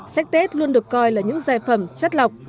sách tết luôn được coi là những giải phẩm chất lọc